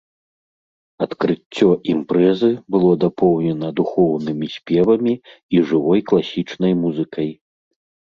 Адкрыццё імпрэзы было дапоўнена духоўнымі спевамі і жывой класічнай музыкай.